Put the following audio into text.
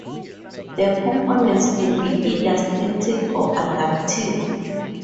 The components can be either static or adaptive.